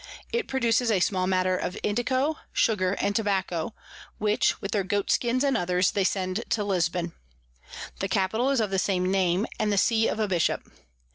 It produces a small matter of Indico, Sugar and Tobacco; which, with their Goat Skins and others, they send to Lisbon. The Capital is of the same Name, and the See of a Bishop.